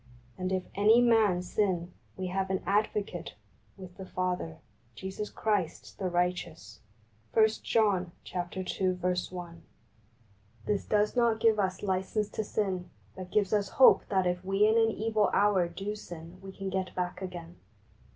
And if any man sin we have an Advocate with the Father, Jesus Christ the righteous" (i fohn ii. i). This does not give us license to sin, but gives us hope that if we in an evil hour do sin we can get back again.